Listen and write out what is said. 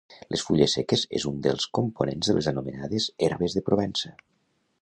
Les fulles seques és un dels components de les anomenades herbes de Provença.